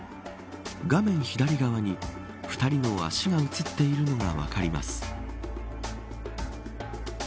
画面左側に２人の足が映っているのが分かります。